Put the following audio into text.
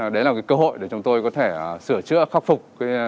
đấy là cơ hội để chúng tôi có thể sửa chữa khắc phục